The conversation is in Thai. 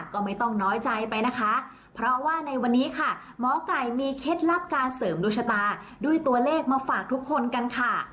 ก็ไม่ต้องน้อยใจไปนะคะเพราะว่าในวันนี้ค่ะหมอไก่มีเคล็ดลับการเสริมดวงชะตาด้วยตัวเลขมาฝากทุกคนกันค่ะ